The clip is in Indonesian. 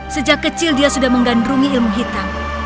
sejak kecil dia sudah menggandrungi ilmu hitam